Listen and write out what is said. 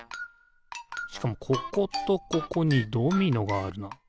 しかもこことここにドミノがあるな。